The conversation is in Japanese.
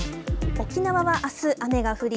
沖縄はあす、雨が降り、